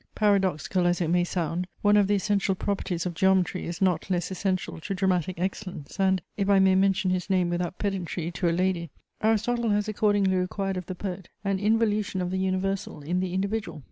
Paradoxical as it may sound, one of the essential properties of geometry is not less essential to dramatic excellence, and, (if I may mention his name without pedantry to a lady,) Aristotle has accordingly required of the poet an involution of the universal in the individual.